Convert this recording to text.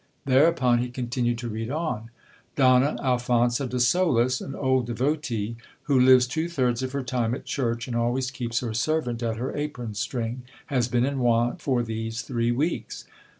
Thereupon he continued to read on : Donna Alfonsa de Solis, an old devotee, who lives two thirds of her time at church, and always keeps her servant at her apron string, has been in want for these three weeks.